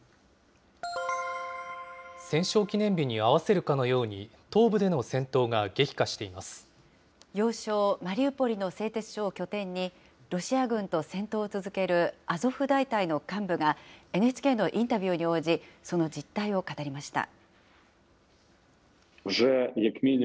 戦勝記念日に合わせるかのように、東部での戦闘が激化してい要衝マリウポリの製鉄所を拠点に、ロシア軍と戦闘を続けるアゾフ大隊の幹部が、ＮＨＫのインタビューに応じ、その実態を語りました。